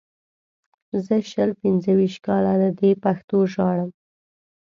زه شل پنځه ویشت کاله له دې پښتو ژاړم.